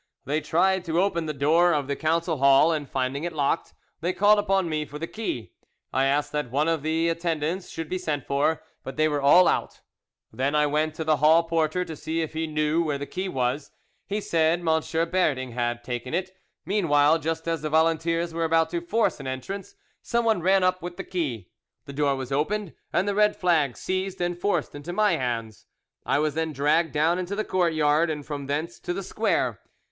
They tried to open the door of the council hall, and finding it locked, they called upon me for the key. I asked that one of the attendants should be sent for, but they were all out; then I went to the hall porter to see if he knew where the key was. He said M. Berding had taken it. Meanwhile, just as the volunteers were about to force an entrance, someone ran up with the key. The door was opened, and the red flag seized and forced into my hands. I was then dragged down into the courtyard, and from thence to the square.